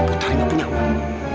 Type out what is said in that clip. utari gak punya uang